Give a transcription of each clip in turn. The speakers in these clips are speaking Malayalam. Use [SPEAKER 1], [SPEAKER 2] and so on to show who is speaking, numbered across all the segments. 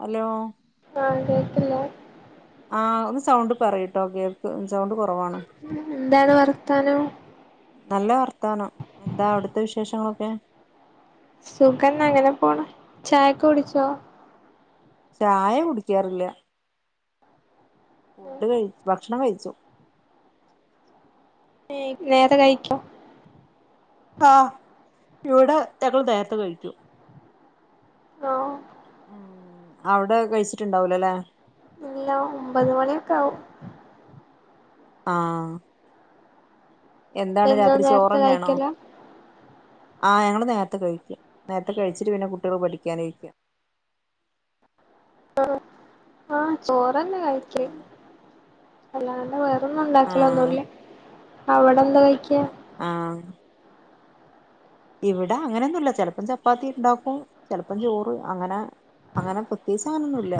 [SPEAKER 1] ഹലോ
[SPEAKER 2] കേട്ടില്ല
[SPEAKER 1] ആ ഒന്ന് സൗണ്ട് പറയ് ട്ടോ ഓക്കെ സൗണ്ട് കൊറ
[SPEAKER 2] എന്താണ് വർത്താനം
[SPEAKER 1] നല്ല വർത്താനം എന്താ അവിടുത്തെ വിശേഷങ്ങളൊക്കെ
[SPEAKER 2] സുഖന്ന അങ്ങനെ പോന്ന് ചായക്കെ കുടിച്ചോ
[SPEAKER 1] ചായ കുടിക്കാറില്ല ഫുഡ് കഴിച്ചു ഭക്ഷണം കഴിച്ചു
[SPEAKER 2] നേത കഴിക്ക
[SPEAKER 1] ആഹ് ഇവിടെ ഞങ്ങള് നേരത്തെ കഴിക്കും
[SPEAKER 2] ആഹ
[SPEAKER 1] ഉം അവിടെ കഴിച്ചിട്ടുണ്ടാവൂലല്ലെ
[SPEAKER 2] ഇല്ല ഒമ്പത് മണിയൊക്കെ ആവും
[SPEAKER 1] ആഹ എന്താണ്
[SPEAKER 2] എന്നും
[SPEAKER 1] രാത്രി
[SPEAKER 2] നേരത്തെ
[SPEAKER 1] ചോറന്നെയണോ
[SPEAKER 2] കഴിക്കല
[SPEAKER 1] ആഹ് ഞങ്ങള് നേരത്തെ കഴിക്കും നേരത്തെ കഴിച്ചിട്ട് പിന്നെ കുട്ടികള് പഠിക്കാനിരിക്കും
[SPEAKER 2] ആഹ ചോറന്നെ കഴിക്ക അല്ലാണ്ട് വേറൊ ന്നും
[SPEAKER 1] ആഹ്
[SPEAKER 2] ഉണ്ടാക്കലൊന്നുല്ല അവിടെ എന്താ കഴിക്ക
[SPEAKER 1] ആഹ ഇവിടെ അങ്ങനെന്നുംല്ല ചെലപ്പം ചപ്പാത്തി ഇണ്ടാക്കും ചെലപ്പം ചോറ് അങ്ങനെ അങ്ങനെ പ്രത്യേകിച്ചങ്ങനൊന്നുല്ല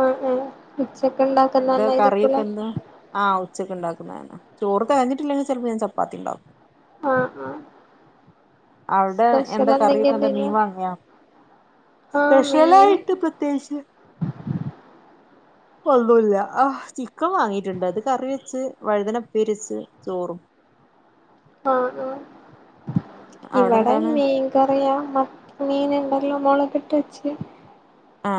[SPEAKER 2] ആ ആ ഉച്ചക്ക്
[SPEAKER 1] എന്താ കറിയൊക്കെ
[SPEAKER 2] ഉണ്ടാക്കുന്നന്നായിരിക്കുലെ
[SPEAKER 1] എന്താ ആഹ് ഉച്ചക്ക് ഉണ്ടാക്കുന്നത ചോറ് തി കഞ്ഞിട്ടില്ലെങ്കിൽ ചിലപ്പോ ഞൻ ചപ്പാത്തി ഉണ്ടാക്കും
[SPEAKER 2] ആ ആ
[SPEAKER 1] അവിടെ എന്താ കറിയൊക്കെ എന്താ മീൻ
[SPEAKER 2] ഉണ്ടേനോ
[SPEAKER 1] വാങ്ങിയോ?
[SPEAKER 2] ആഹ് മീന്
[SPEAKER 1] സ്പെഷ്യലായിട്ട് പ്രത്യേകിച്ച്
[SPEAKER 2] [inaudible]
[SPEAKER 1] ഒന്നൂല്ല ആ ചിക്കൻ വാങ്ങിട്ടുണ്ട് അത് കറി വെച്ച് വഴുതനപ്പേരി വച്ച് ചോറും
[SPEAKER 2] ആ ആ
[SPEAKER 1] അവിടെ
[SPEAKER 2] ഇവിടെ
[SPEAKER 1] എന്താണ്
[SPEAKER 2] മീൻകറിയാ ആ മീൻ ഉണ്ടല്ലോ മുളകിട്ട് വെച്ച്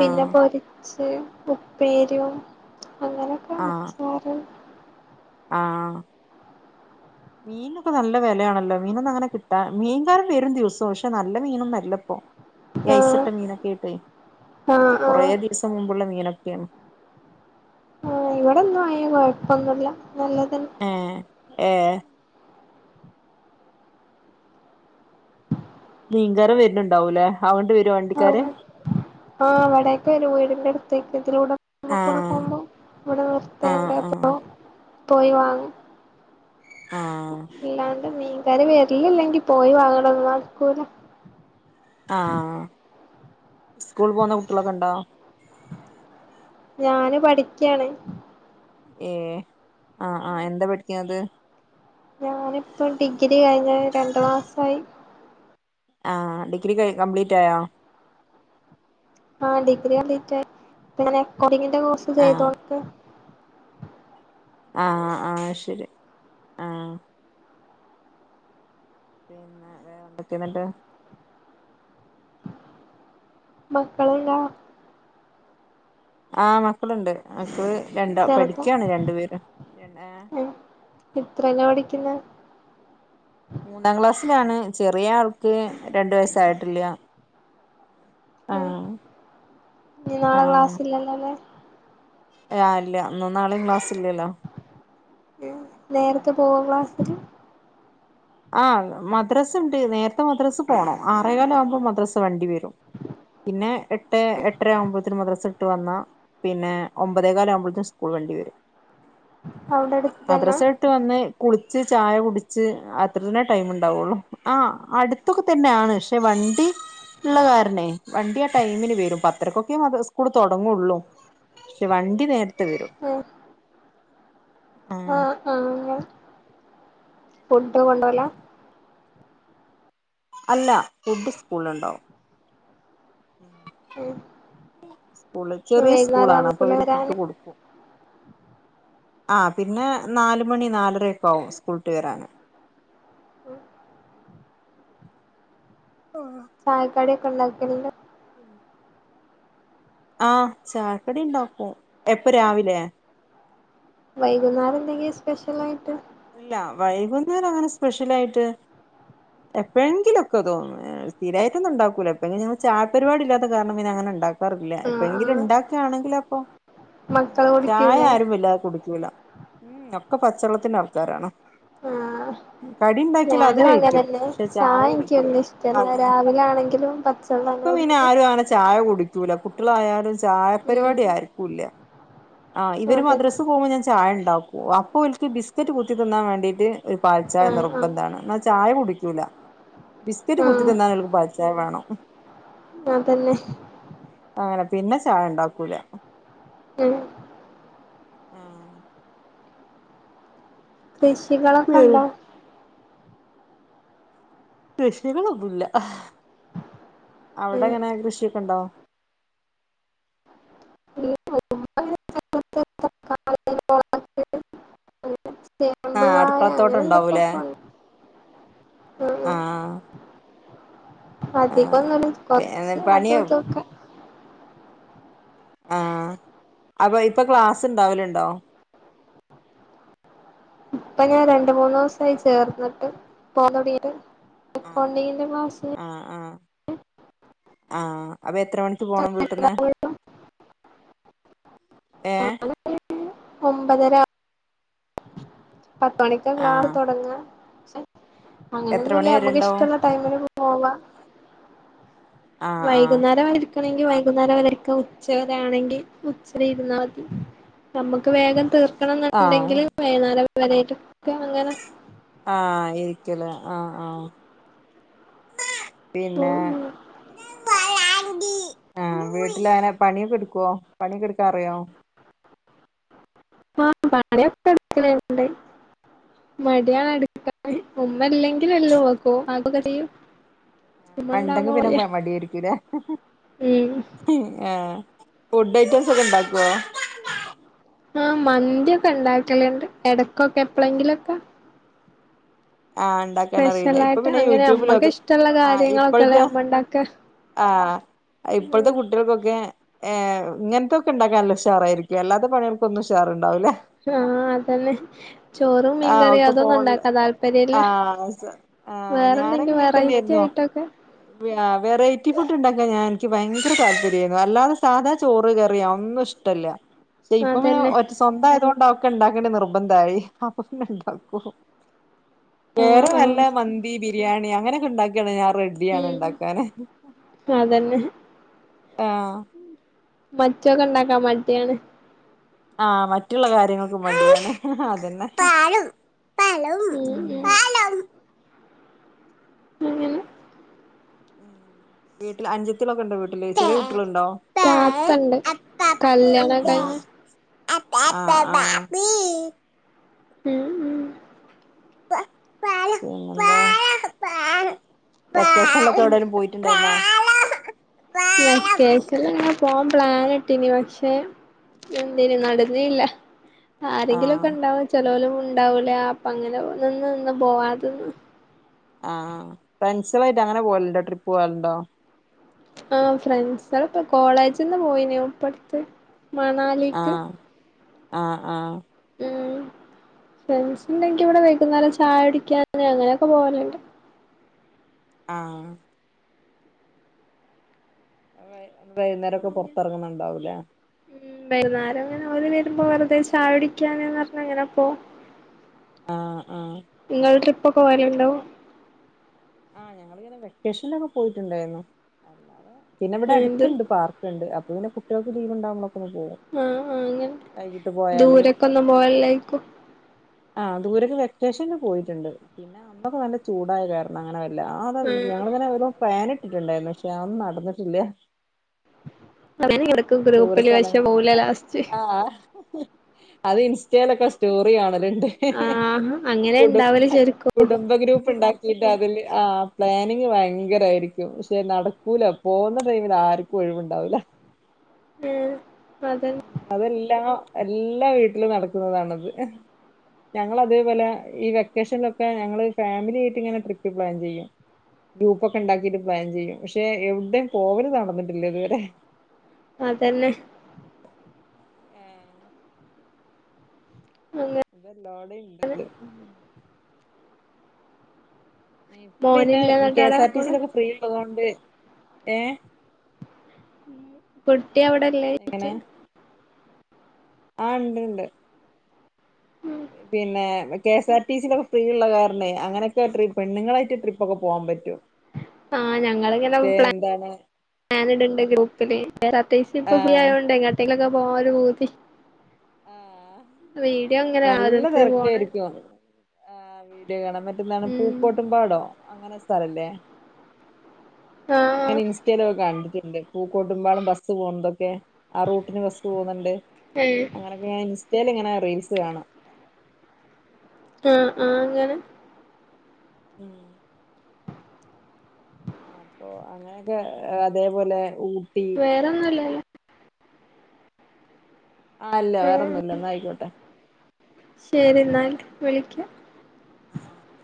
[SPEAKER 2] പിന്നെ പൊരിച്ച് അ ഉപ്പേരിയും അങ്ങനെയൊക്കെ
[SPEAKER 1] ആഹ്
[SPEAKER 2] അച്ചാറ്
[SPEAKER 1] ആഹ്
[SPEAKER 2] [inaudible]
[SPEAKER 1] മീനൊക്കെ നല്ല വിലയാണല്ലോ മീനൊന്നും അങ്ങനെ കിട്ടാ മീൻകാര് വരും ദിവസവും പക്ഷെ നല്ല മീനൊന്നും അല്ലപ്പോ ഈ
[SPEAKER 2] ആഹ്
[SPEAKER 1] ഐസിട്ട മീനൊക്കെ ആയിട്ട്
[SPEAKER 2] ആഹ്
[SPEAKER 1] കുറെ
[SPEAKER 2] ആഹ്
[SPEAKER 1] ദിവസം മുമ്പുള്ള മീനൊക്കെ ഇല്യ
[SPEAKER 2] ആഹ് ഇവിടെന്നും ആ കൊഴപ്പൊന്നുല്ല നല്ലതന്നെ
[SPEAKER 1] ഏ മീങ്കാരൻ വരണണ്ടാവൂലേ
[SPEAKER 2] ആ ആ് അവിടെയൊക്കെ വരു വീഹടിന്റെ അടുത്തതിലൂടെ നമ്മുക്കൂടെ
[SPEAKER 1] ആഹ്
[SPEAKER 2] പോകുമ്പോ ഇവിടെ
[SPEAKER 1] ആഹ് ആഹ്
[SPEAKER 2] നിർത്തും [unintelligible] പോയി വാങ്ങാ
[SPEAKER 1] ആഹ്
[SPEAKER 2] ഇല്ലാണ്ട് മീൻകാര് വരിലില്ലെങ്കി പോയി വാങ്ങലൊന്നും നടക്കൂല
[SPEAKER 1] ആഹ്സ്കൂൾ പോകുന്ന കുട്ടികളൊക്കെ ഉണ്ടോ?
[SPEAKER 2] ഞാന് പഠിക്കാണ്
[SPEAKER 1] ഏ ആഹ് ആഹ് എന്താ പഠിക്ക ണ? ത്
[SPEAKER 2] ഞാനിപ്പോൊ ഡിഗ്രി കഴിഞ്ഞ രണ്ടു മാസമായി
[SPEAKER 1] ആ ഡിഗ്രി കംപ്ലീറ്റ് ആയോ?
[SPEAKER 2] ആ ഡിഗ്രി കംപ്ലീറ്റ് ആയി. പിന്നെ അക്കൗണ്ടിങ്ങിന്റെ കോഴ്സ്
[SPEAKER 1] ആഹ്
[SPEAKER 2] ചെയ്തോണ്ട്
[SPEAKER 1] ആഹ് ആഹ് ശരി ആഗ് ഉം ഉം എന്തൊക്കെയന്നിട്ട്?
[SPEAKER 2] മക്കളില്ലാ
[SPEAKER 1] ആ മക്കളുണ്ട് മക്കള് രണ്ടോ
[SPEAKER 2] ചെറുത
[SPEAKER 1] പഠിക്കാണ് രണ്ടു പേരും പിന്നെ
[SPEAKER 2] പിന്നെ
[SPEAKER 1] മൂന്നാം ക്ലാസ്സിലാണ് ചെറിയ ആൾക്ക് രണ്ടു വയസായിട്ടില്ല
[SPEAKER 2] ഉം ഇനി നാളെ ക്ലാസ്സില്ലല്ലോല്ലേ
[SPEAKER 1] ആ അല്ല ഇന്നും നാളെംക്ലാസില്ല
[SPEAKER 2] നേരത്തെ പോവാ ക്ലാസ്സിില്
[SPEAKER 1] ആഹ് മദ്രസ ഉണ്ട് നേരത്തെ മദ്രസ പോണം ആറേക്കാല് ആവുമ്പോൾ മദ്രസ വണ്ടി വരും. പിന്നെ എട്ട് എട്ടര ആവുമ്പോത്തന് മദ്രസ വിട്ട് വന്നാ പിന്നെ ഒമ്പതേകാല് ആവുമ്പോത്ത് സ്കൂൾ വണ്ടി വരും
[SPEAKER 2] അവിടെ അടുത്തന്നെ
[SPEAKER 1] മദ്രസ വിട്ട് വന്ന് കുളിച്ച് ചായ കുടിച്ച് അ അത്ര തന്നെ ടൈം ഉണ്ടാവുള്ളൂ. ആ അടുത്തൊക്കെ തന്നെയാണ് പക്ഷെ വണ്ടി ഉള്ള കാരണേ വണ്ടി ആ ടൈമിന് വരും പത്തരക്കൊക്കെ മദ്ര സ്കൂള് തുടങ്ങുള്ളൂ പക്ഷെ വണ്ടി നേർത്ത് വരും
[SPEAKER 2] ഉം
[SPEAKER 1] ആ
[SPEAKER 2] ആഹ് ആ ഫുഡ് കൊണ്ടോലാ
[SPEAKER 1] അല്ല ഫുഡ് സ്കൂള്ല്ണ്ടാവും.
[SPEAKER 2] ഉം
[SPEAKER 1] സ്കൂള് ചെറിയ
[SPEAKER 2] വൈകുന്നേരം
[SPEAKER 1] സ്കൂളാണ് അപ്പൊ
[SPEAKER 2] ആവൂലേ
[SPEAKER 1] അവര് ഫുഡ്
[SPEAKER 2] വരാന്
[SPEAKER 1] കൊടുക്കും.
[SPEAKER 2] [inaudible]
[SPEAKER 1] ആ പിന്നെ നാല് മണി നാലരയക്കെ ആവും സ്കൂളിട്ട് വരാന്
[SPEAKER 2] ഉം ചായക്കടി ഒക്കെ ഉണ്ടാക്കലണ്ട്
[SPEAKER 1] ഉം ആഹ ചക്കടി ഉണ്ടാക്കും എപ്പ രാവിലെ
[SPEAKER 2] വൈകുന്നേരം എന്തെങ്കും സ്പെഷ്യൽ ആയിട്ട്
[SPEAKER 1] ഇല്ല വൈകുന്നേരം അങ്ങനെ സ്പെഷ്യല ആയിട്ട് എപ്പോഴങ്കിലുംക്കെതോ സ്ഥരട്ടൊന്ന ഉണ്ടാക്കൂലോ എപ്പോിലും ചാായപരിപാടി ഇല്ലാത്ത കാരണം പിെ അങ്ങനെ ഉണ്ടാക്ക ില്ല ഇപ്പ
[SPEAKER 2] ആഹ്
[SPEAKER 1] എങ്കിലും
[SPEAKER 2] ആഹ്
[SPEAKER 1] ഉണ്ടാക്കയാണെങ്കിൽ അപ്പൊ ഉ
[SPEAKER 2] മക്കള്
[SPEAKER 1] ചായ
[SPEAKER 2] കുടിക്കൂലേ
[SPEAKER 1] ആാരും വല്ലാതെ കുടിക്കൂല ഉം ഒക്കെ പച്ചെള്ളത്തിന്റെ ആൾക്കാരാണോ
[SPEAKER 2] ആഹ്
[SPEAKER 1] കടി ഉണ്ടാക്കിയൽ അത്
[SPEAKER 2] ഞാനും
[SPEAKER 1] കഴിക്കും
[SPEAKER 2] അങ്ങനെന്നെ
[SPEAKER 1] പക്ഷെ ചായ
[SPEAKER 2] എനിക്ക്
[SPEAKER 1] കുടിക്കൂല
[SPEAKER 2] വല്യ ഇഷ്ടല്ല
[SPEAKER 1] അങ്ങനെ
[SPEAKER 2] രാവിലെ ആണെങ്കിലും പച്ചവെള്ളം
[SPEAKER 1] ഇപ്പൊ
[SPEAKER 2] തന്നെ
[SPEAKER 1] പിന്നെ
[SPEAKER 2] കുടിക്ക
[SPEAKER 1] ആരും അങ്ങനെ ചായ കുടിക്കൂല കുട്ടികളായാലും ചായ പരിപാടി
[SPEAKER 2] ഉം
[SPEAKER 1] ആയിരിക്കൂല്ല ആ ഇവര്
[SPEAKER 2] അതന്നെ
[SPEAKER 1] മദ്രസ് പോകുമ്പോൾ ഞാൻ ചായ ഉണ്ടാവും ഓ അപ്പൊ എനിക്ക് ബിസ്ക്കറ്റ് കുത്തിതിന്നാൻ വേണ്ടീട്ട് ഒരു പാൽചായ
[SPEAKER 2] ആഹ് ആഹ്
[SPEAKER 1] നിർബന്ധമാണ് എന്നാ ചായ കുടിക്കൂല ബിസ്ക്കറ്റ് കുത്തിത്
[SPEAKER 2] ആഹ്
[SPEAKER 1] എന്താ നിങ്ങക്ക് പാച്ചായ വേണം
[SPEAKER 2] അതന്നെ
[SPEAKER 1] അങ്ങനെ പിന്നെ ചായ ഉണ്ടാക്കൂല
[SPEAKER 2] ഉം
[SPEAKER 1] ആഹ
[SPEAKER 2] കൃഷികളൊക്കെ
[SPEAKER 1] വേറെ
[SPEAKER 2] ഉണ്ടോ
[SPEAKER 1] കൃഷികൊന്നുമല്ല അവിടെ
[SPEAKER 2] ഉം
[SPEAKER 1] എങ്ങനെ കൃഷിയൊക്കെ ഉണ്ടോ
[SPEAKER 2] ഓ ചേമ്പ്
[SPEAKER 1] ആഹ
[SPEAKER 2] വാഴ അങ്ങനെ
[SPEAKER 1] അടുക്കളത്തോട്ട്ുണ്ടാവൂലേ
[SPEAKER 2] എന്തൊക്കൊക്കെ ഉണ്ട് ഉം
[SPEAKER 1] ആഹ
[SPEAKER 2] അധികംൊന്നള്ള
[SPEAKER 1] പിന്നെ
[SPEAKER 2] കൊറച്ച്
[SPEAKER 1] പണി
[SPEAKER 2] അതും ഇതൊക്കെ
[SPEAKER 1] ആഹ അപ്പൊ ഇപ്പൊ ക്ലാസ്സ് ഇണ്ടാവലുണ്ടോ
[SPEAKER 2] ഇപ്പൊ ഞാൻ രണ്ട മൂന്ന്ു ദിവസയി ചേർന്നിട്ട് പോന്നോടീ അക്കൗണ്ടിങ്ങിന്റെ മാസ്
[SPEAKER 1] ആഹ അപ്പൊ എത്ര മണിക്ക് പോണം വീട്ടന്ന് എ
[SPEAKER 2] ഒമ്പതര പത്ത് മണിക്കാ ക്ലാസ്
[SPEAKER 1] ആഹ്
[SPEAKER 2] തുടങ്ങ
[SPEAKER 1] എത്ര മണി
[SPEAKER 2] അങ്ങനെന്നുമല്ല
[SPEAKER 1] വരെ
[SPEAKER 2] നമ്മക്ക്
[SPEAKER 1] ഉണ്ടാവും
[SPEAKER 2] ഇഷ്ടമുള്ള ടൈമില് പോവാ
[SPEAKER 1] ആഹ് ആഹ്
[SPEAKER 2] വൈകുന്നേരം ആയിരിക്കും ണെങ്കി വൈകുന്നേരം വരൊക്കെ ഉച്ചവരെ ആണെങ്കിൽ ഉച്ചരെ ഇരുന്നാൽ മതി നമ്മുക്ക് വേഗം തീർക്കണം
[SPEAKER 1] ആഹ്
[SPEAKER 2] എന്നുണ്ടെങ്കിൽ വൈകനേര വരട്ട അങ്ങനെ
[SPEAKER 1] ആഹ ഇരിക്കല ആഹ ആഹ
[SPEAKER 2] പോവും
[SPEAKER 1] പിന്നെന്ത ആഹ വീട്ടില അനെ പണിയൊക്കെ എടുക്കുവോ പണിയൊെടുക്കാറിയോ
[SPEAKER 2] ആഹ് പണൊക്ക എടുക്കണ്ട് മടിയാണ് ഉമ്മല്ലെങ്കില എല്ലോ നക്കോ ആഗ കഥ
[SPEAKER 1] ആ പണ്ടെങ്ക പിന്നെ മടായിരിക്കൂല
[SPEAKER 2] ഉം
[SPEAKER 1] ആഹ ഫുഡ് ഐറ്റംസ് ഒക്കെ ഇണ്ടാക്കുവോ
[SPEAKER 2] ആഹ മന്തിയൊക്കെ ഉണ്ടാക്കലണ്ട് ഇടക്കൊക്കെ എപ്പഴെങ്കിലുംൊക്കെ
[SPEAKER 1] ആഹ ഉണ്ടാക്കാൻ അറിയില്ല ഇപ്പൊ പിന്നെ
[SPEAKER 2] അങ്ങനെ അമ്മക്ക്
[SPEAKER 1] യൂട്യൂബിലൊക്കെ
[SPEAKER 2] ഇഷ്ടമുള്ള
[SPEAKER 1] ആ
[SPEAKER 2] കാര്യങ്ങളൊക്കെല്ലേ
[SPEAKER 1] ഇപ്പോഴത്തെ
[SPEAKER 2] അമ്മ ഉണ്ടാക്ക
[SPEAKER 1] ആഹ ഇപ്പോഴത്തെ കുട്ടികൾക്കൊക്കെ ഏഹ ഇങ്ങനത്തെൊ ഒക്കെ ഉണ്ടാക്കാനല്ല ഷാർായിരിക്കും അല്ലാത്ത പണികൾക്കൊന്നും ഷാർണ്ടാവൂല്ലേ
[SPEAKER 2] ആഹ അതന്നെ ചോറും
[SPEAKER 1] ആഹ്
[SPEAKER 2] മീൻകറിയും
[SPEAKER 1] ഒക്കെ
[SPEAKER 2] അതൊന്നും
[SPEAKER 1] ഫോണില്
[SPEAKER 2] ഉണ്ടാക്കാ താല്പര്യം ഇല്ല
[SPEAKER 1] ആഹ് ആഹ്
[SPEAKER 2] വേറെ
[SPEAKER 1] ഞാനൊക്കെ
[SPEAKER 2] എന്തെങ്കിലും
[SPEAKER 1] ഇങ്ങനെ
[SPEAKER 2] വെറൈറ്റി
[SPEAKER 1] തന്നെയായിരുന്നു
[SPEAKER 2] ആയി ട്ടക
[SPEAKER 1] വെറൈറ്റി ഫുഡ് ഉണ്ടാക്ക ഞാൻ എനിക്ക് ഭയങ്കര താല്പര്യ ആായിരുന്നു അല്ലാതെ സാധാ ചോറ് കറിയാ ഒന്നും ഇഷ്ടമല്ല പക്ഷെ ഇപ്പങ്ങനെ
[SPEAKER 2] അതന്നെ
[SPEAKER 1] ഒറ്റ സ്വന്തായത് കൊണ്ട് അതൊക്കെ ഉണ്ടാക്കേണ്ടത് നിർബന്ധായി അവട്ന്ന്ണ്ടാക്കും
[SPEAKER 2] ആഹ്
[SPEAKER 1] വേറെ
[SPEAKER 2] ആഹ്
[SPEAKER 1] വല്ല മന്തി ബിരി ബിരിയാണി അങ്ങനെക്കെ ഇണ്ടാക്കാണെ ഞാൻ റെഡ്ഡിയാണ്
[SPEAKER 2] ഉം
[SPEAKER 1] ഇണ്ടാക്കാന്
[SPEAKER 2] അതന്നെ
[SPEAKER 1] ആ
[SPEAKER 2] മറ്റെ ഒക്കെ ഇണ്ടാക്കാൻ മട്യാണ്
[SPEAKER 1] ആ മറ്റുള്ള കാര്യങ്ങൾക്കും മടിയാണ് അതന്നെ പാലവും
[SPEAKER 2] ഉം ഉം
[SPEAKER 1] പാലം
[SPEAKER 2] അങ്ങനെ
[SPEAKER 1] പിന്നെ ഉം വീട്ടിൽ അഞ്ചത്ത്യാളൊക്കെണ്ടോ വീട്ടില് ചെറി
[SPEAKER 2] താത്തണ്ട് കല്ല്യാണം കഴിഞ്ഞ
[SPEAKER 1] അ ആ
[SPEAKER 2] ഉം ഉം
[SPEAKER 1] പിന്നെന്താ വെക്കേഷൻലൊക്കെ എവിടേലും പോയിട്ടുണ്ടായിര്ന്നോ
[SPEAKER 2] വെക്കേഷൻലങ്ങനെ പോ പ്ലാൻ ഇട്ടീനി പക്ഷെ എന്തിന് നടന്നീല്ല
[SPEAKER 1] ആഹ്
[SPEAKER 2] ആരെങ്കിലൊക്കെണ്ടാവും ചെലോല് ഉണ്ടാവൂല അപ്പങ്ങനെ നിന്ന് നിന്ന് പോവാതെന്ന്
[SPEAKER 1] ആ ഫ്രൻസളായിട്ട് അങ്ങനെ പോവാല്ണ്ടോ ട്രിപ്പ് പോവല്ണ്ടോ
[SPEAKER 2] ആ ഫ്രണ്ട്സാളൊക്കെ കോളേജിന്ന് പോയീനു ഇപ്പട്ത്ത് മണാലിക്ക്
[SPEAKER 1] ആ ആ
[SPEAKER 2] ഊം ഫ്രണ്ട്സ്ണ്ടെങ്കി ഇവിടെ വൈകുന്നേരം ചായ കുടിക്കാൻ അങ്ങനെക്കെ പോവല്ണ്ട്
[SPEAKER 1] ആ അവടെ വൈകുന്നേരൊക്കെ പൊർത്തർങ്ങ്ണാണ്ടാവൂലേ
[SPEAKER 2] ഉം വൈന്നേരം അങ്ങനെ ഓല് വരുമ്പോ വെറുത ചായ കുടിക്കാന് ന്ന് പറഞ്ഞ് അങ്ങനെ പോകും
[SPEAKER 1] ആ
[SPEAKER 2] ഇങ്ങൾ ട്രിപ്പൊക്കെ പോവല്ണ്ടോ
[SPEAKER 1] ആ ഞങ്ങളിങ്ങനെ വെക്കേഷനിലൊക്കെ പോയിട്ടുണ്ടായിരുന്നു പിന്നെ ഇവിടെ
[SPEAKER 2] എന്ത്
[SPEAKER 1] അടുത്ത്ണ്ട് പാർക്ക്ണ്ട് അത് പിന്നെ കുട്ട്യാൾക്ക് ലീവ്ണ്ടാവ്മ്പൾ
[SPEAKER 2] ആ അ അങ്ങനെ
[SPEAKER 1] പോയാല്
[SPEAKER 2] ദൂരെക്കൊന്നും പോവലില്ലായിരിക്കും
[SPEAKER 1] ആ ദൂരേക്ക് വെക്കേഷൻല് പോയിട്ടുണ്ട് പിന്നെ അന്നൊക്കെ നല്ല ചൂടായ കാരണം അങ്ങനെ വെ [unintelligible] അതാ
[SPEAKER 2] ആഹ്
[SPEAKER 1] ഞങ്ങളിങ്ങനെ ഓരോ പ്ലാനിട്ടിട്ടുണ്ടായിരുന്നു പക്ഷെ അതൊന്നും നടന്നിട്ടില്ല
[SPEAKER 2] [unintelligible] എടക്കും
[SPEAKER 1] ദൂര
[SPEAKER 2] ഗ്രൂപ്പില് പക്ഷെ
[SPEAKER 1] സ്ഥലങ്ങൾ
[SPEAKER 2] പോവൂല ലാസ്റ്റ്
[SPEAKER 1] ആഹ് അത് ഇൻസ്റ്റേലൊക്കെ സ്റ്റോറിയാ ക്കല്ണ്ട്
[SPEAKER 2] ആഹ് അങ്ങനെ
[SPEAKER 1] കുടുംബ
[SPEAKER 2] ഇണ്ടാവല് ശരിക്കും
[SPEAKER 1] കുടുംബ ഗ്രൂപ്പ് ഉണ്ടാ [unintelligible] ആ പ്ലാനിങ് ഭയങ്കരായിരിക്കും പക്ഷെ നടക്കൂല പോണ ടൈമിൽ ആർക്കും ഒഴിവ് ണ്ടാവൂല
[SPEAKER 2] ഏഹ് അതെ
[SPEAKER 1] അതെല്ലാം എല്ലാ വീട്ടിലും നടക്കുന്നതാണത് ഞങ്ങളതേപോലെ ഈ വെക്കേഷനിലൊക്കെ ഞങ്ങള് ഫാമിലി ആയിട്ട് ഇങ്ങനെ ട്രിപ്പ് പ്ലാൻ ചെയ്യും ഗ്രൂപ്പൊക്കെ ഇണ്ടാക്കിട്ട് പ്ലാൻ ചെയ്യും പക്ഷെ എവിടേം പോവല് നടന്നിട്ടില്ല ഇതുവരെ
[SPEAKER 2] അതന്നെ
[SPEAKER 1] അതെല്ലാടിം ഇണ്ട് ഇപ്പൊ പിന്നെ
[SPEAKER 2] മോനില്ല എന്നിട്ട്
[SPEAKER 1] കെ
[SPEAKER 2] ആടെ
[SPEAKER 1] എസ് ആർ ടി സി
[SPEAKER 2] മോള്
[SPEAKER 1] ലൊക്കെ ഫ്രീ ഇള്ളതോണ്ട് ഏ
[SPEAKER 2] കുട്ടി അവിടെല്ലേ
[SPEAKER 1] എങ്ങനെ
[SPEAKER 2] ചോയ്ച്ച
[SPEAKER 1] ആ ഇണ്ട്ണ്ട് പിന്നെ കെ എസ് ആർ ടി സിലൊക്കെ ഫ്രീ ഇള്ള കാരണെ അങ്ങനൊക്കെ ട്രി പെണ്ണ്ങ്ങളേറ്റ് ട്രിപ്പൊക്കെ പോവാം. പറ്റും മറ്റേ എന്താണ്?
[SPEAKER 2] ഞാൻ ഇട്ണ്ട് ഗ്രൂപ്പില്. വേറെ അത്യാവശ്യം ഇപ്പൊ ഫ്രീ
[SPEAKER 1] ആഹ്
[SPEAKER 2] ആയോണ്ട് എങ്ങോട്ടേലുഒക്കെ പാല് ഊതി
[SPEAKER 1] ആഹ്
[SPEAKER 2] വീട എങ്ങനെയാ ഓരോരുത്തരും പോണേ?
[SPEAKER 1] ആ വീഡിയോ കാണാൻ മറ്റെന്താണ് പൂക്കോട്ടും പാടോ അങ്ങനെ [unintelligible] ല്ലേ
[SPEAKER 2] ആഹ്
[SPEAKER 1] ഇങ്ങനെ ഇൻസ്റ്റയിലൊക്കെ കാണ്ണ്ട് ണ്ട് പൂക്കോടുമ്പാടം ബസ്സ് പൊവ്ണ്ടോക്കെ ആ റൂട്ടിന് ബസ്സ് പോക്ണ് ണ്ട്.
[SPEAKER 2] ഏഹ്
[SPEAKER 1] അങ്ങനൊക്കെ ഇൻസ്റ്റയില് ഇങ്ങനെ റീൽസ് കാണാം.
[SPEAKER 2] ആ ആ അങ്ങനെ
[SPEAKER 1] ഉമ് അഹ് പ്പൊ അങ്ങനെയൊക്കെ അതേപോലെ ഊ
[SPEAKER 2] വേറൊന്നുല്ലലോ?
[SPEAKER 1] ആഹ് ല്ല വേറൊന്നും ഇല്ല എന്ന ആയിക്കോട്ടെ.
[SPEAKER 2] ശരിന്നാ
[SPEAKER 1] ആഹ്
[SPEAKER 2] [unintelligible]
[SPEAKER 1] ശരി
[SPEAKER 2] വിളിക്കാം.
[SPEAKER 1] ആഹ് ഓക്കെ